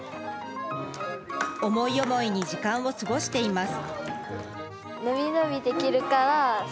思い思いに時間を過ごしています。